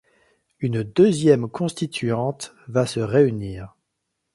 Une deuxième Constituante va se réunir.